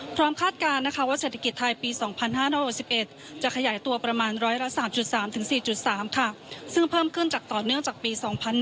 คาดการณ์นะคะว่าเศรษฐกิจไทยปี๒๕๖๑จะขยายตัวประมาณร้อยละ๓๓๔๓ซึ่งเพิ่มขึ้นจากต่อเนื่องจากปี๒๕๖๒